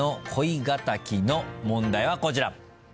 問題はこちら。